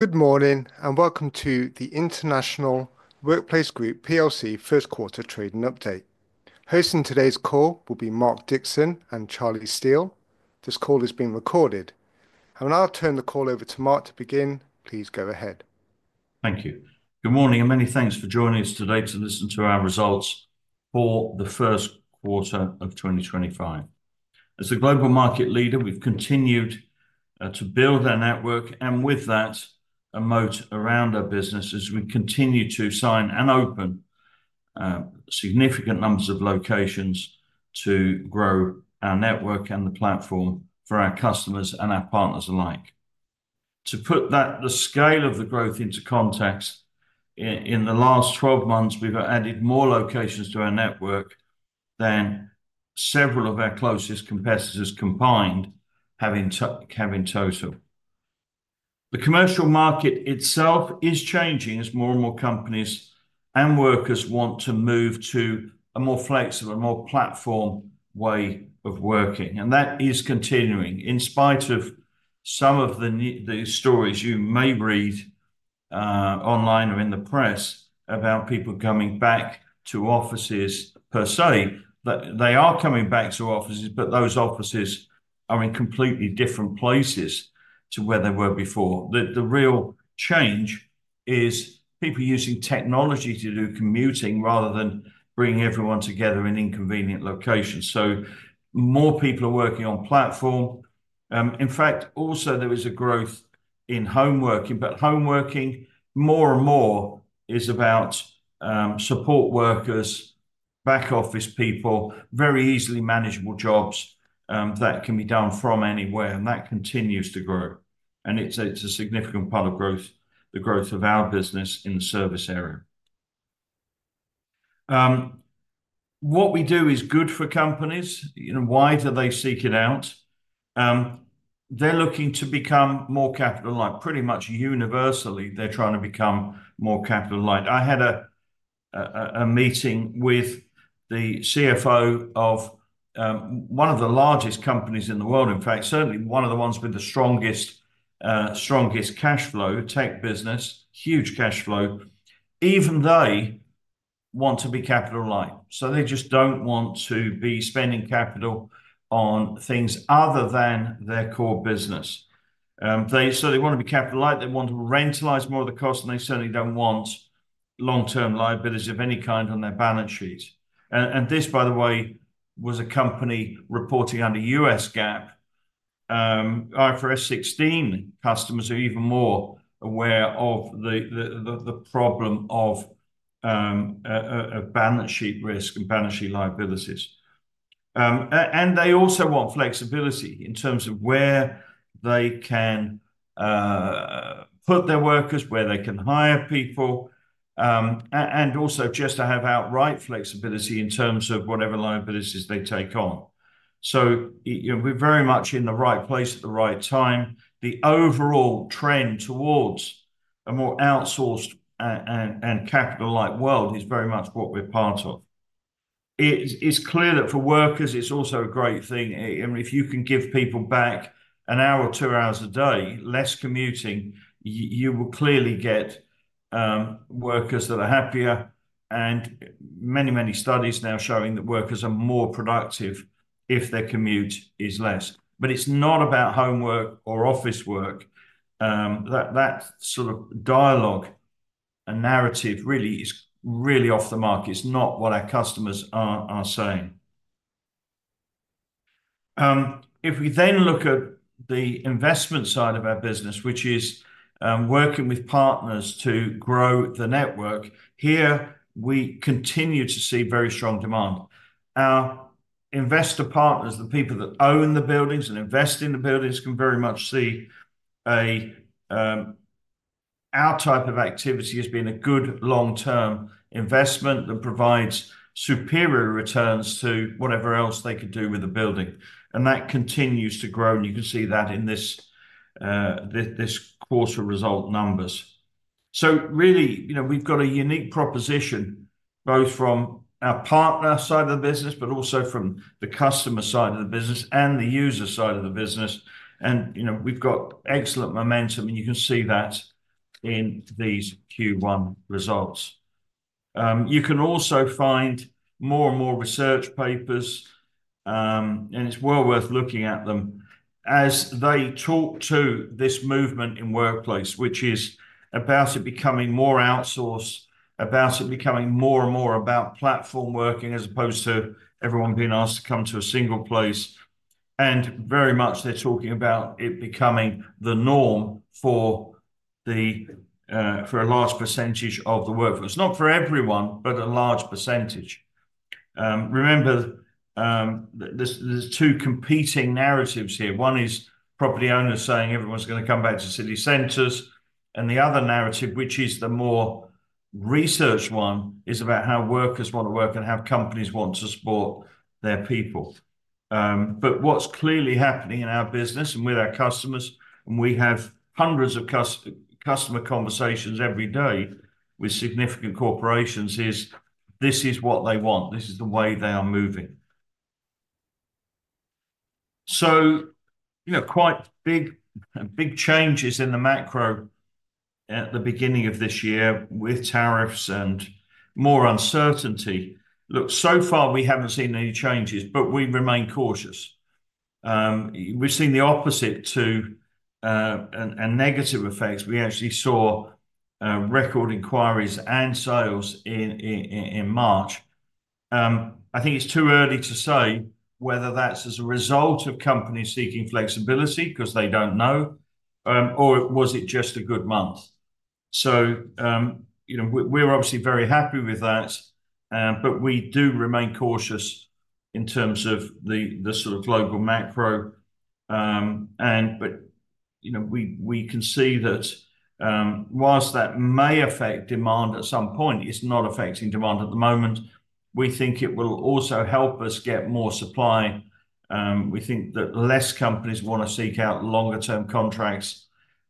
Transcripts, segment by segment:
Good morning and welcome to the International Workplace Group first quarter trade-in update. Hosting today's call will be Mark Dixon and Charlie Steel. This call is being recorded, and I'll turn the call over to Mark to begin. Please go ahead. Thank you. Good morning and many thanks for joining us today to listen to our results for the first quarter of 2025. As the global market leader, we've continued to build our network and with that, a moat around our business as we continue to sign and open significant numbers of locations to grow our network and the platform for our customers and our partners alike. To put the scale of the growth into context, in the last 12 months, we've added more locations to our network than several of our closest competitors combined have in total. The commercial market itself is changing as more and more companies and workers want to move to a more flexible, more platform way of working, and that is continuing in spite of some of the stories you may read online or in the press about people coming back to offices per se. They are coming back to offices, but those offices are in completely different places to where they were before. The real change is people using technology to do commuting rather than bringing everyone together in inconvenient locations. More people are working on platform. In fact, also there is a growth in home working, but home working more and more is about support workers, back office people, very easily manageable jobs that can be done from anywhere, and that continues to grow. It is a significant part of the growth of our business in the service area. What we do is good for companies. Why do they seek it out? They are looking to become more capital-like, pretty much universally, they are trying to become more capital-like. I had a meeting with the CFO of one of the largest companies in the world, in fact, certainly one of the ones with the strongest cash flow, tech business, huge cash flow, even though they want to be capital-light. They just do not want to be spending capital on things other than their core business. They want to be capital-light, they want to rentalize more of the cost, and they certainly do not want long-term liabilities of any kind on their balance sheets. This, by the way, was a company reporting under U.S. GAAP. IFRS 16 customers are even more aware of the problem of balance sheet risk and balance sheet liabilities. They also want flexibility in terms of where they can put their workers, where they can hire people, and also just to have outright flexibility in terms of whatever liabilities they take on. We're very much in the right place at the right time. The overall trend towards a more outsourced and capital-light world is very much what we're part of. It's clear that for workers, it's also a great thing. If you can give people back an hour or two hours a day, less commuting, you will clearly get workers that are happier. Many, many studies now show that workers are more productive if their commute is less. It's not about homework or office work. That sort of dialogue and narrative really is really off the market. It's not what our customers are saying. If we then look at the investment side of our business, which is working with partners to grow the network, here we continue to see very strong demand. Our investor partners, the people that own the buildings and invest in the buildings, can very much see our type of activity as being a good long-term investment that provides superior returns to whatever else they could do with the building. That continues to grow, and you can see that in this quarter result numbers. We have got a unique proposition both from our partner side of the business, but also from the customer side of the business and the user side of the business. We have got excellent momentum, and you can see that in these Q1 results. You can also find more and more research papers, and it is well worth looking at them as they talk to this movement in workplace, which is about it becoming more outsourced, about it becoming more and more about platform working as opposed to everyone being asked to come to a single place. Very much they are talking about it becoming the norm for a large percentage of the workforce. Not for everyone, but a large percentage. Remember, there are two competing narratives here. One is property owners saying everyone is going to come back to city centers. The other narrative, which is the more researched one, is about how workers want to work and how companies want to support their people. What is clearly happening in our business and with our customers, and we have hundreds of customer conversations every day with significant corporations, is this is what they want. This is the way they are moving. Quite big changes in the macro at the beginning of this year with tariffs and more uncertainty. Look, so far we have not seen any changes, but we remain cautious. We have seen the opposite to negative effects. We actually saw record inquiries and sales in March. I think it is too early to say whether that is as a result of companies seeking flexibility because they do not know, or was it just a good month? We are obviously very happy with that, but we do remain cautious in terms of the sort of global macro. We can see that whilst that may affect demand at some point, it is not affecting demand at the moment. We think it will also help us get more supply. We think that less companies want to seek out longer-term contracts,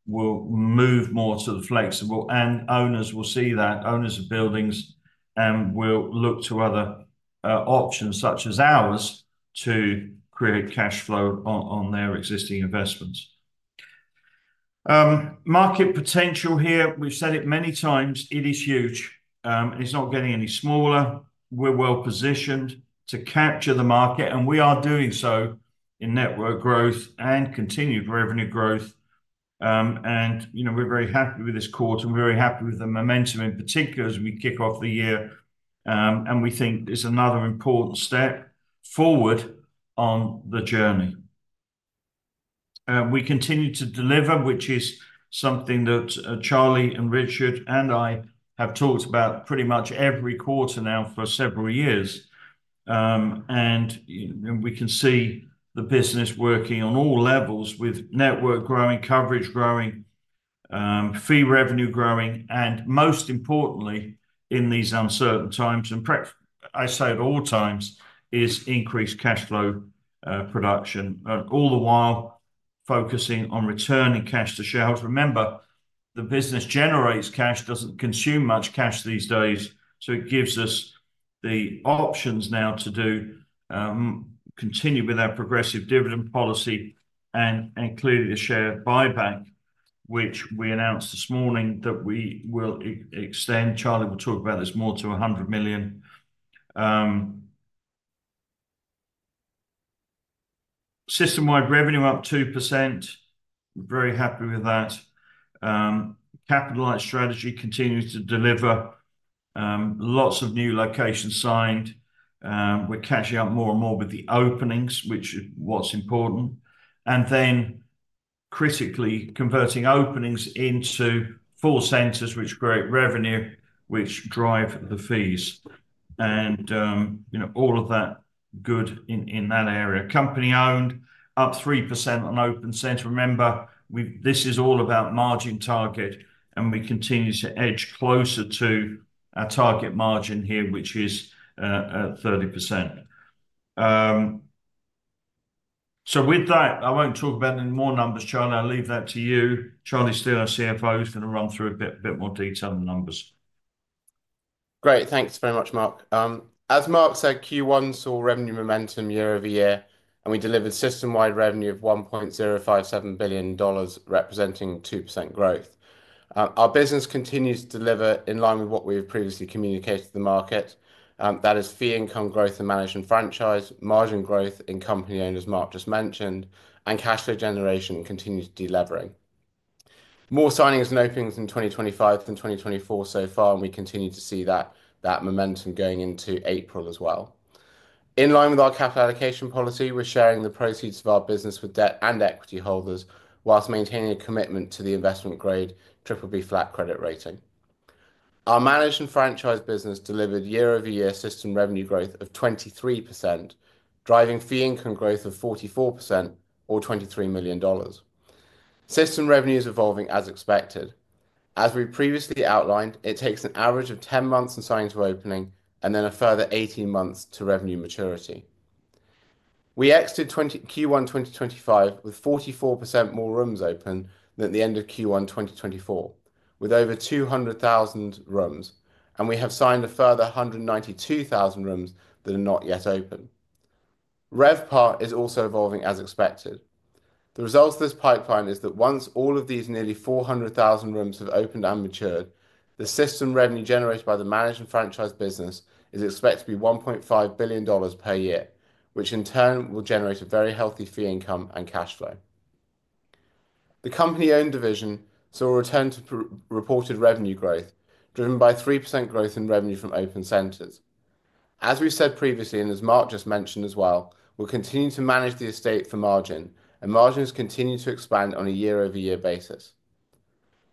will move more to the flexible, and owners will see that. Owners of buildings will look to other options such as ours to create cash flow on their existing investments. Market potential here, we've said it many times, it is huge. It's not getting any smaller. We're well positioned to capture the market, and we are doing so in network growth and continued revenue growth. We're very happy with this quarter. We're very happy with the momentum in particular as we kick off the year. We think it's another important step forward on the journey. We continue to deliver, which is something that Charlie and Richard and I have talked about pretty much every quarter now for several years. We can see the business working on all levels with network growing, coverage growing, fee revenue growing, and most importantly, in these uncertain times, and I say at all times, is increased cash flow production. All the while focusing on returning cash to shareholders. Remember, the business generates cash, doesn't consume much cash these days. It gives us the options now to continue with our progressive dividend policy and include the share buyback, which we announced this morning that we will extend. Charlie will talk about this more to $100 million. System-wide revenue up 2%. We're very happy with that. Capitalized strategy continues to deliver. Lots of new locations signed. We're catching up more and more with the openings, which is what's important. Critically, converting openings into full centers, which create revenue, which drive the fees. All of that good in that area. Company-owned up 3% on open centers. Remember, this is all about margin target, and we continue to edge closer to our target margin here, which is 30%. With that, I will not talk about any more numbers, Charlie. I will leave that to you. Charlie Steel, our CFO, is going to run through a bit more detail in the numbers. Great. Thanks very much, Mark. As Mark said, Q1 saw revenue momentum year-over-year, and we delivered system-wide revenue of $1.057 billion, representing 2% growth. Our business continues to deliver in line with what we have previously communicated to the market. That is fee income growth in managed and franchised, margin growth in company-owned as Mark just mentioned, and cash flow generation continues to deliver. More signings and openings in 2025 than 2024 so far, and we continue to see that momentum going into April as well. In line with our capital allocation policy, we're sharing the proceeds of our business with debt and equity holders whilst maintaining a commitment to the investment-grade BBB flat credit rating. Our managed and franchised business delivered year-over-year system revenue growth of 23%, driving fee income growth of 44% or $23 million. System revenue is evolving as expected. As we previously outlined, it takes an average of 10 months in signing to opening and then a further 18 months to revenue maturity. We exited Q1 2025 with 44% more rooms open than at the end of Q1 2024, with over 200,000 rooms, and we have signed a further 192,000 rooms that are not yet open. RevPAR is also evolving as expected. The results of this pipeline is that once all of these nearly 400,000 rooms have opened and matured, the system revenue generated by the managed and franchised business is expected to be $1.5 billion per year, which in turn will generate a very healthy fee income and cash flow. The company-owned division saw a return to reported revenue growth driven by 3% growth in revenue from open centers. As we said previously, and as Mark just mentioned as well, we'll continue to manage the estate for margin, and margins continue to expand on a year-over-year basis.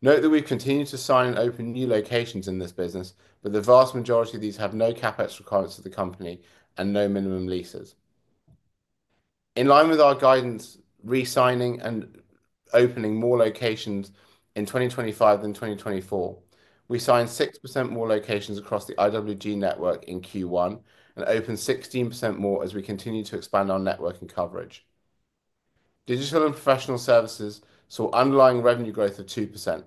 Note that we continue to sign and open new locations in this business, but the vast majority of these have no CapEx requirements to the company and no minimum leases. In line with our guidance, re-signing and opening more locations in 2025 than 2024, we signed 6% more locations across the IWG network in Q1 and opened 16% more as we continue to expand our networking coverage. Digital and professional services saw underlying revenue growth of 2%.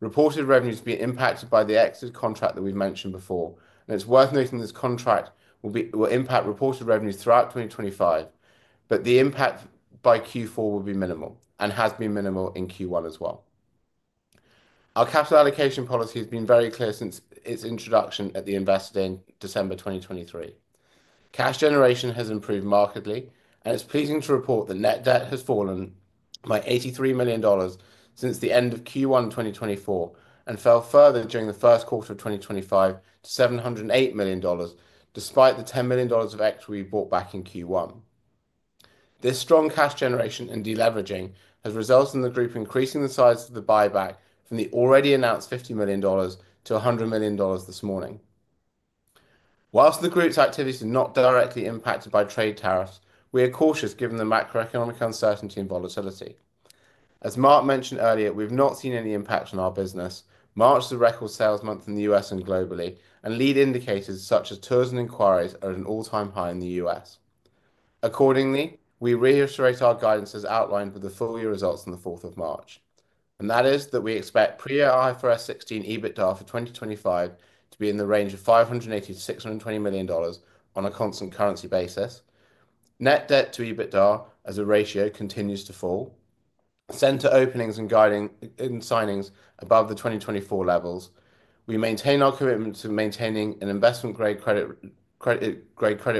Reported revenues have been impacted by the exited contract that we've mentioned before. It is worth noting this contract will impact reported revenues throughout 2025, but the impact by Q4 will be minimal and has been minimal in Q1 as well. Our capital allocation policy has been very clear since its introduction at the investor in December 2023. Cash generation has improved markedly, and it's pleasing to report that net debt has fallen by $83 million since the end of Q1 2024 and fell further during the first quarter of 2025 to $708 million, despite the $10 million of shares we bought back in Q1. This strong cash generation and deleveraging has resulted in the group increasing the size of the buyback from the already announced $50 million to $100 million this morning. Whilst the group's activities are not directly impacted by trade tariffs, we are cautious given the macroeconomic uncertainty and volatility. As Mark mentioned earlier, we've not seen any impact on our business. March is a record sales month in the U.S. and globally, and lead indicators such as tours and inquiries are at an all-time high in the U.S. Accordingly, we reiterate our guidance as outlined with the full year results on the 4th of March. That is that we expect pre-IFRS 16 EBITDA for 2025 to be in the range of $580-$620 million on a constant currency basis. Net debt to EBITDA as a ratio continues to fall. Center openings and signings above the 2024 levels. We maintain our commitment to maintaining an investment-grade credit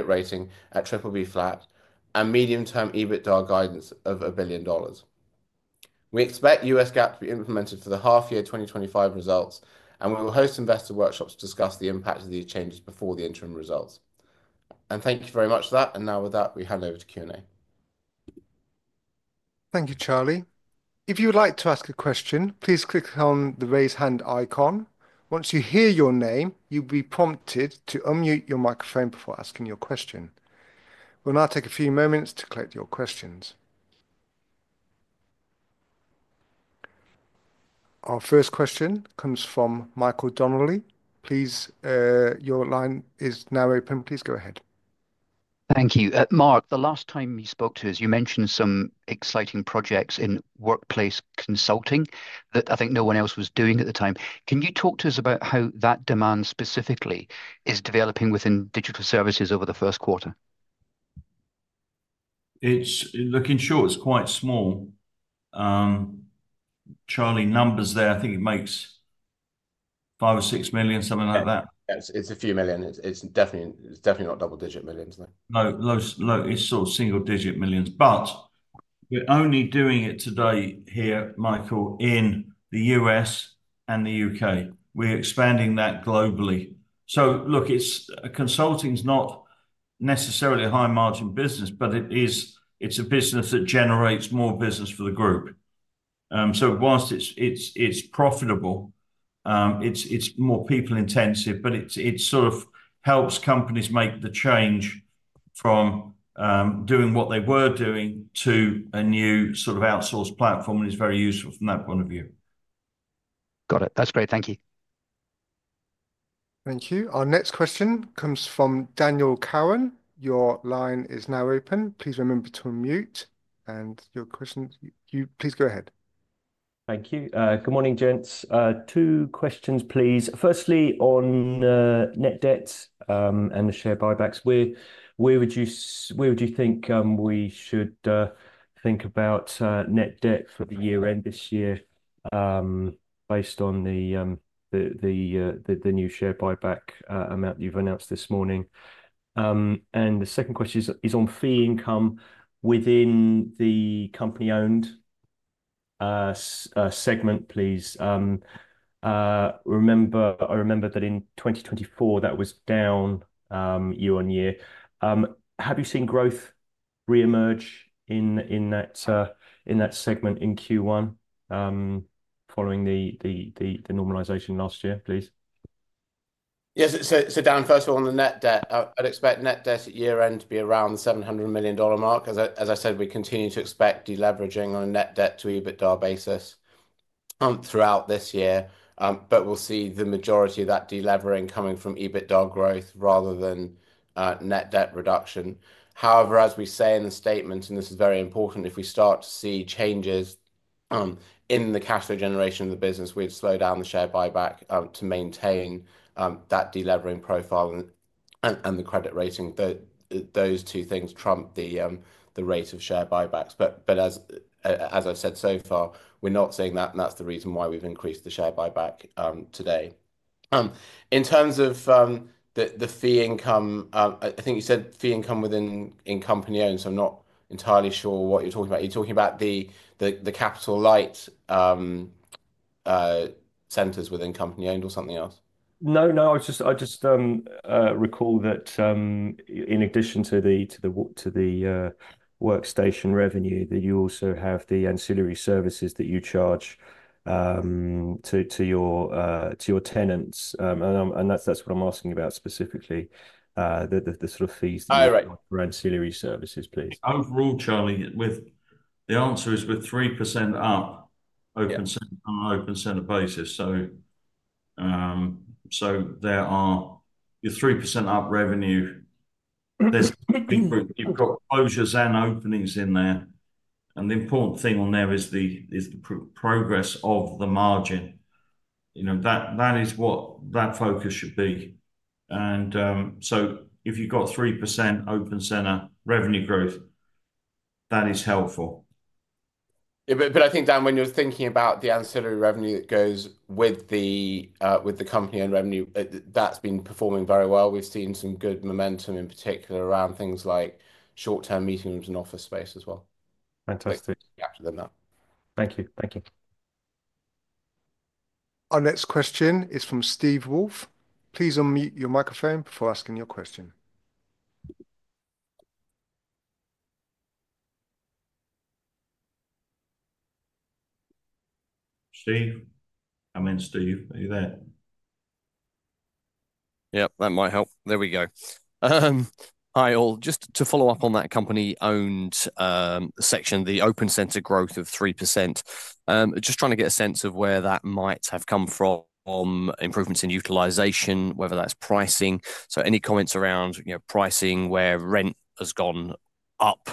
rating at BBB flat and medium-term EBITDA guidance of $1 billion. We expect U.S. GAAP to be implemented for the half-year 2025 results, and we will host investor workshops to discuss the impact of these changes before the interim results. Thank you very much for that. Now with that, we hand over to Q&A. Thank you, Charlie. If you would like to ask a question, please click on the raise hand icon. Once you hear your name, you'll be prompted to unmute your microphone before asking your question. We'll now take a few moments to collect your questions. Our first question comes from Michael Donnelly. Please, your line is now open. Please go ahead. Thank you. Mark, the last time you spoke to us, you mentioned some exciting projects in workplace consulting that I think no one else was doing at the time. Can you talk to us about how that demand specifically is developing within digital services over the first quarter? It's looking short. It's quite small. Charlie, numbers there, I think it makes five or six million, something like that. It's a few million. It's definitely not double-digit millions. No, it's sort of single-digit millions. But we're only doing it today here, Michael, in the U.S. and the U.K. We're expanding that globally. So look, consulting is not necessarily a high-margin business, but it's a business that generates more business for the group. So whilst it's profitable, it's more people-intensive, but it sort of helps companies make the change from doing what they were doing to a new sort of outsourced platform, and it's very useful from that point of view. Got it. That's great. Thank you. Thank you. Our next question comes from Daniel Cowan. Your line is now open. Please remember to unmute. Your question, please go ahead. Thank you. Good morning, gents. Two questions, please. Firstly, on net debt and the share buybacks, where would you think we should think about net debt for the year-end this year based on the new share buyback amount you've announced this morning? The second question is on fee income within the company-owned segment, please. I remember that in 2024, that was down year-on-year. Have you seen growth reemerge in that segment in Q1 following the normalization last year, please? Yes. So down, first of all, on the net debt, I'd expect net debt at year-end to be around the $700 million mark. As I said, we continue to expect deleveraging on a net debt to EBITDA basis throughout this year, but we'll see the majority of that deleveraging coming from EBITDA growth rather than net debt reduction. However, as we say in the statement, and this is very important, if we start to see changes in the cash flow generation of the business, we'd slow down the share buyback to maintain that deleveraging profile and the credit rating. Those two things trump the rate of share buybacks. As I've said so far, we're not seeing that, and that's the reason why we've increased the share buyback today. In terms of the fee income, I think you said fee income within company-owned, so I'm not entirely sure what you're talking about. Are you talking about the capital light centers within company-owned or something else? No, no. I just recall that in addition to the workstation revenue, that you also have the ancillary services that you charge to your tenants. That is what I'm asking about specifically, the sort of fees for ancillary services, please. Overall, Charlie, the answer is with 3% up open center on an open center basis. There are your 3% up revenue. You have closures and openings in there. The important thing on there is the progress of the margin. That is what that focus should be. If you have 3% open center revenue growth, that is helpful. I think, Dan, when you're thinking about the ancillary revenue that goes with the company-owned revenue, that's been performing very well. We've seen some good momentum, in particular, around things like short-term meetings and office space as well. Fantastic. Thank you. Thank you. Our next question is from Steve Wolff. Please unmute your microphone before asking your question. Steve, I meant Steve. Are you there? Yep, that might help. There we go. Hi, all. Just to follow up on that company-owned section, the open center growth of 3%. Just trying to get a sense of where that might have come from, improvements in utilization, whether that's pricing. Any comments around pricing, where rent has gone up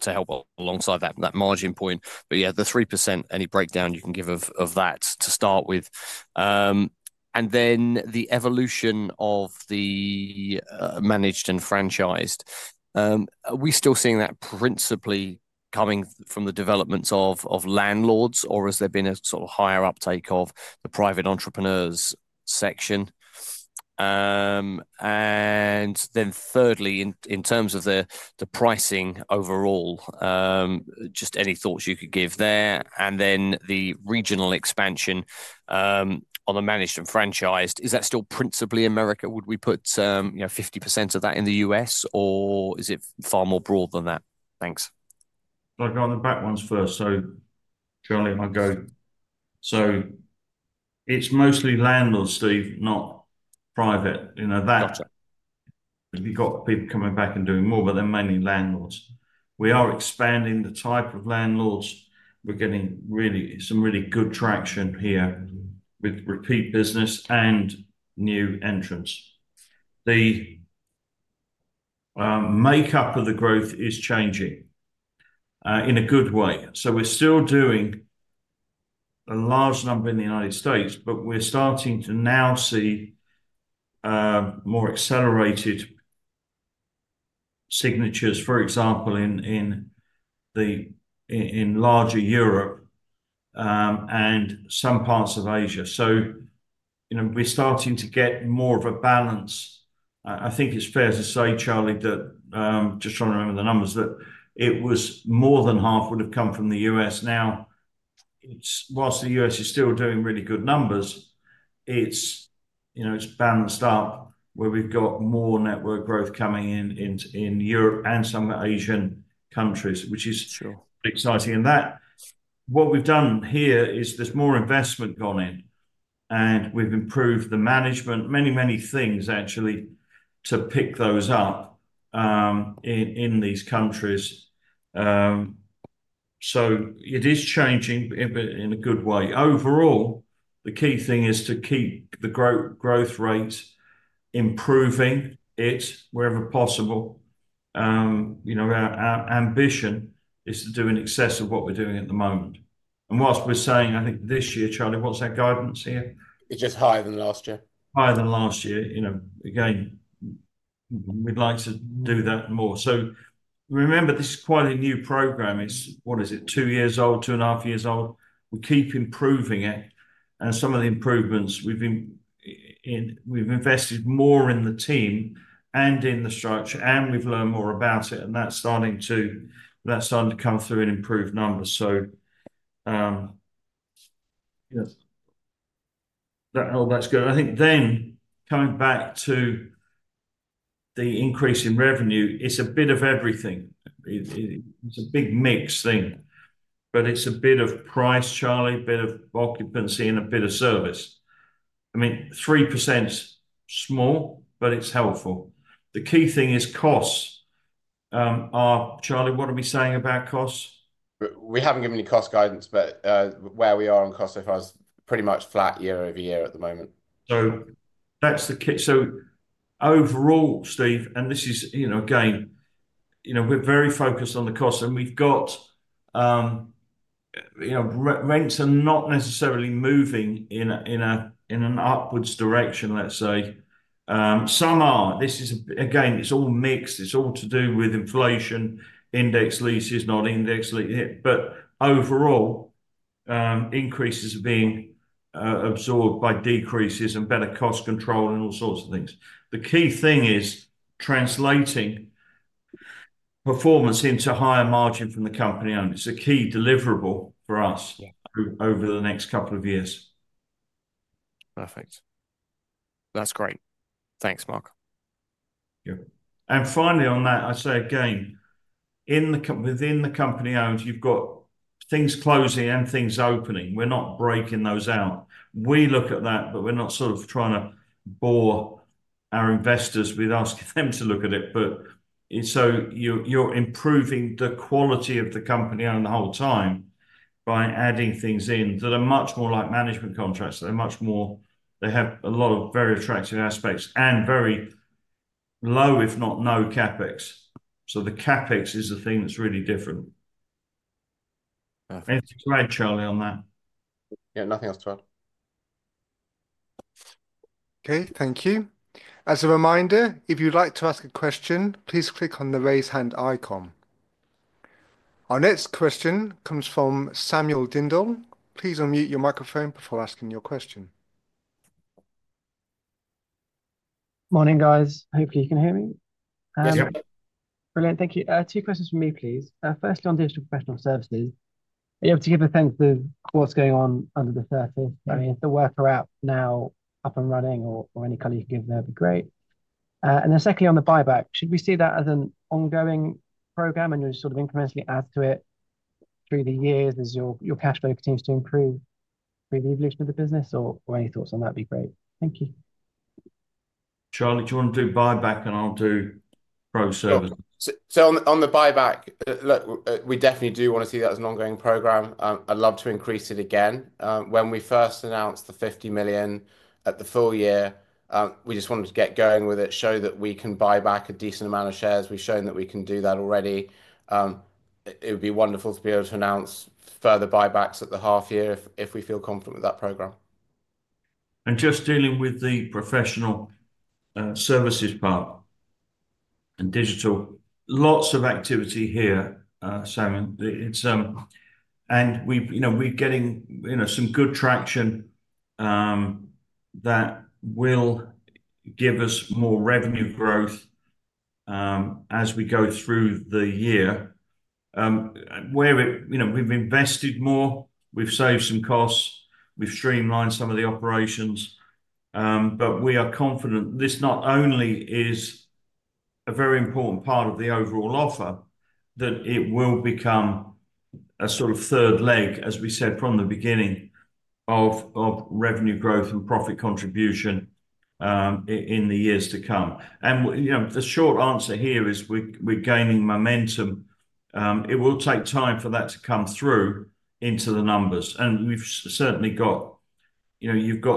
to help alongside that margin point. The 3%, any breakdown you can give of that to start with. The evolution of the managed and franchised. Are we still seeing that principally coming from the developments of landlords, or has there been a sort of higher uptake of the private entrepreneurs section? Thirdly, in terms of the pricing overall, any thoughts you could give there. The regional expansion on the managed and franchised. Is that still principally America? Would we put 50% of that in the U.S., or is it far more broad than that? Thanks. I'll go on the back ones first. Charlie, I'll go. It's mostly landlords, Steve, not private. You've got people coming back and doing more, but they're mainly landlords. We are expanding the type of landlords. We're getting some really good traction here with repeat business and new entrants. The makeup of the growth is changing in a good way. We're still doing a large number in the United States, but we're starting to now see more accelerated signatures, for example, in larger Europe and some parts of Asia. We're starting to get more of a balance. I think it's fair to say, Charlie, just trying to remember the numbers, that it was more than half would have come from the U.S. Now, whilst the U.S. is still doing really good numbers, it's balanced up where we've got more network growth coming in Europe and some Asian countries, which is exciting. What we've done here is there's more investment gone in, and we've improved the management, many, many things, actually, to pick those up in these countries. It is changing in a good way. Overall, the key thing is to keep the growth rates improving wherever possible. Our ambition is to do in excess of what we're doing at the moment. Whilst we're saying, I think this year, Charlie, what's that guidance here? It's just higher than last year. Higher than last year. Again, we'd like to do that more. Remember, this is quite a new program. What is it? Two years old, two and a half years old. We keep improving it. Some of the improvements, we've invested more in the team and in the structure, and we've learned more about it. That's starting to come through in improved numbers. That's good. I think coming back to the increase in revenue, it's a bit of everything. It's a big mix thing, but it's a bit of price, Charlie, a bit of occupancy, and a bit of service. I mean, 3% small, but it's helpful. The key thing is costs. Charlie, what are we saying about costs? We haven't given any cost guidance, but where we are on cost so far is pretty much flat year-over-year at the moment. Overall, Steve, and this is, again, we're very focused on the costs, and we've got rents are not necessarily moving in an upwards direction, let's say. Some are. Again, it's all mixed. It's all to do with inflation, index leases, not index leases. Overall, increases are being absorbed by decreases and better cost control and all sorts of things. The key thing is translating performance into higher margin from the company-owned. It's a key deliverable for us over the next couple of years. Perfect. That's great. Thanks, Mark. Finally on that, I say again, within the company-owned, you've got things closing and things opening. We're not breaking those out. We look at that, but we're not sort of trying to bore our investors with asking them to look at it. You're improving the quality of the company-owned the whole time by adding things in that are much more like management contracts. They have a lot of very attractive aspects and very low, if not no CapEx. The CapEx is the thing that's really different. Anything to add, Charlie, on that? Yeah, nothing else to add. Okay, thank you. As a reminder, if you'd like to ask a question, please click on the raise hand icon. Our next question comes from Samuel Dindol. Please unmute your microphone before asking your question. Morning, guys. Hopefully, you can hear me. Yep. Brilliant. Thank you. Two questions from me, please. Firstly, on digital professional services, are you able to give a sense of what's going on under the surface? I mean, if the worker app's now up and running or any color you can give there, that'd be great. Secondly, on the buyback, should we see that as an ongoing program and you're sort of incrementally adding to it through the years as your cash flow continues to improve through the evolution of the business? Or any thoughts on that would be great. Thank you. Charlie, do you want to do buyback, and I'll do pro services? On the buyback, we definitely do want to see that as an ongoing program. I'd love to increase it again. When we first announced the $50 million at the full year, we just wanted to get going with it, show that we can buy back a decent amount of shares. We've shown that we can do that already. It would be wonderful to be able to announce further buybacks at the half year if we feel confident with that program. Just dealing with the professional services part and digital, lots of activity here, Simon. We are getting some good traction that will give us more revenue growth as we go through the year. We have invested more. We have saved some costs. We have streamlined some of the operations. We are confident this not only is a very important part of the overall offer, that it will become a sort of third leg, as we said from the beginning, of revenue growth and profit contribution in the years to come. The short answer here is we are gaining momentum. It will take time for that to come through into the numbers. You have certainly got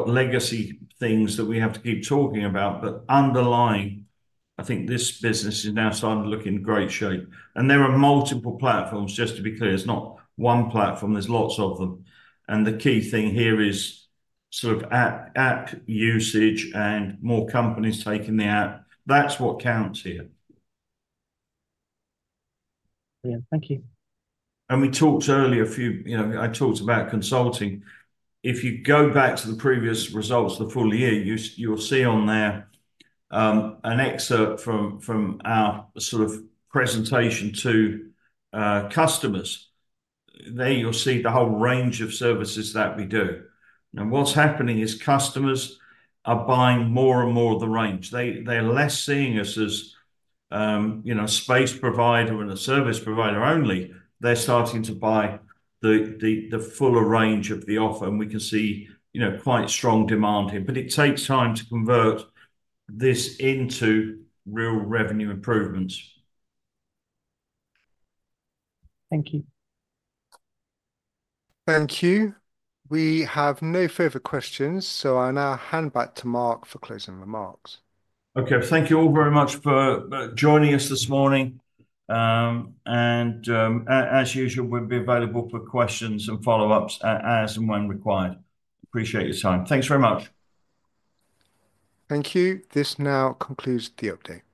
legacy things that we have to keep talking about. Underlying, I think this business is now starting to look in great shape. There are multiple platforms, just to be clear. It is not one platform. There are lots of them. The key thing here is sort of app usage and more companies taking the app. That is what counts here. Brilliant. Thank you. We talked earlier, I talked about consulting. If you go back to the previous results for the full year, you'll see on there an excerpt from our sort of presentation to customers. There you'll see the whole range of services that we do. Now, what's happening is customers are buying more and more of the range. They're less seeing us as a space provider and a service provider only. They're starting to buy the fuller range of the offer. We can see quite strong demand here. It takes time to convert this into real revenue improvements. Thank you. Thank you. We have no further questions. I'll now hand back to Mark for closing remarks. Okay. Thank you all very much for joining us this morning. As usual, we'll be available for questions and follow-ups as and when required. Appreciate your time. Thanks very much. Thank you. This now concludes the update.